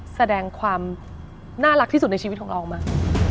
แสดงความน่ารักที่สุดในชีวิตของเราออกมา